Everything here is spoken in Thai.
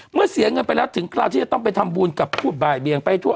เสียเงินไปแล้วถึงคราวที่จะต้องไปทำบุญกับพูดบ่ายเบียงไปทั่ว